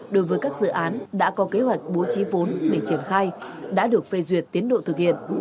đối với các dự án đã có kế hoạch bố trí vốn để triển khai đã được phê duyệt tiến độ thực hiện